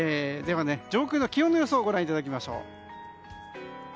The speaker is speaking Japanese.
上空の気温の予想をご覧いただきましょう。